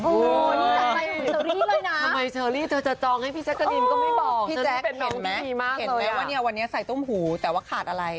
นี่จะไปเชอรี่เลยนะทำไมเชอรี่เธอจะจองให้พี่แจ๊กกะลินก็ไม่บอกพี่แจ๊กเห็นไหมวันนี้ใส่ต้มหูแต่ว่าขาดอะไร